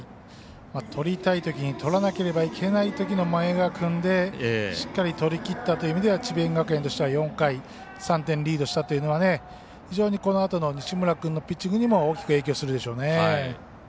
とりたいときにとらなければいけないときの前川君でしっかりとりきったという意味では智弁学園としては４回、３点リードしたというのは非常にこのあとの西村君のピッチングにも大きく影響するでしょうね。